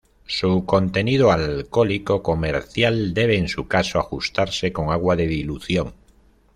Su contenido alcohólico comercial debe, en su caso, ajustarse con agua de dilución.